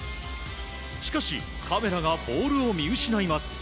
しかしカメラがボールを見失います。